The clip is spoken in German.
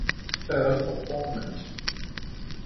Earl of Ormonde.